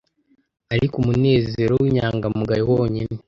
Ariko umunezero winyangamugayo Wonyine